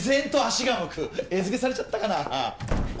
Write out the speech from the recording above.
餌付けされちゃったかなあ。